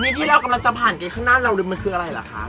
นี่ที่เรากำลังจะผ่านเกณฑ์ข้างหน้าเรามันคืออะไรเหรอคะ